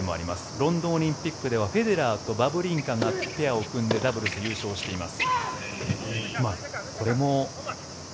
ロンドンオリンピックではフェデラーとバブリンカがペアを組んでダブルス優勝しています。